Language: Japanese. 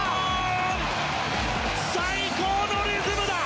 最高のリズムだ！